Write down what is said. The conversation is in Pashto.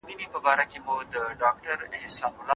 اقتصادي تحلیلونه باید په حقایقو ولاړ وي.